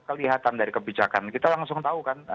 karena kelihatan dari kebijakan kita langsung tahu kan